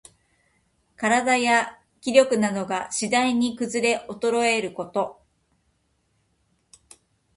身体や気力などが、しだいにくずれおとろえること。